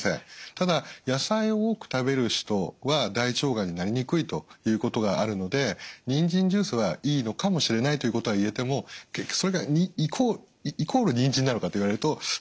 ただ野菜を多く食べる人は大腸がんになりにくいということがあるのでにんじんジュースはいいのかもしれないということは言えても結局それがイコールにんじんなのかと言われるとそれは分かりません。